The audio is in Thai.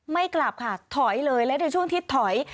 กลับค่ะถอยเลยและในช่วงที่ถอย